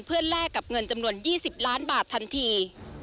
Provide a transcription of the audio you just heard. เพื่อแลกกับเงินจำนวน๒๐ล้านบาททันที